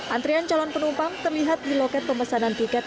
antrian calon penumpang terlihat di loket pemesanan tiket